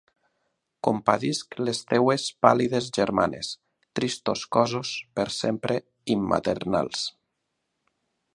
Compadisc les teues pàl·lides germanes, tristos cossos per sempre immaternals.